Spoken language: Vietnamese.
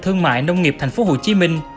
thương mại nông nghiệp thành phố hồ chí minh